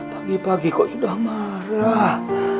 pagi pagi kok sudah marah